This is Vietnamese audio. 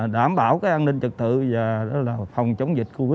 đảm bảo an ninh trực tự và phòng chống dịch covid một mươi chín